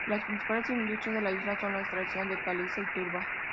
Las principales industrias de la isla son la extracción de caliza y turba.